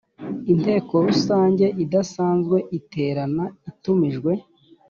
inteko rusange idasanzwe iterana itumijwe